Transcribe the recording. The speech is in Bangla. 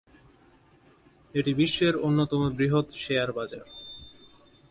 এটি বিশ্বের অন্যতম বৃহৎ শেয়ার বাজার।